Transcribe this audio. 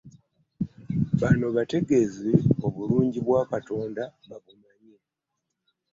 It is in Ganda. Banno bategeeze obulungi bwa Katonda babumanye.